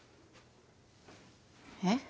えっ？